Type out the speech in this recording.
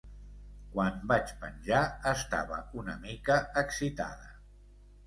Quan vaig penjar estava una mica excitada.